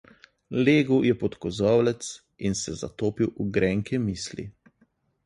Legel je pod kozolec in se zatopil v grenke misli.